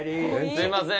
すいません